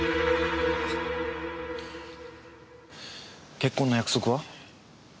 結婚の約束は？